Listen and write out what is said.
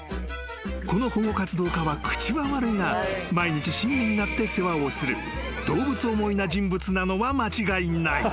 ［この保護活動家は口は悪いが毎日親身になって世話をする動物思いな人物なのは間違いない］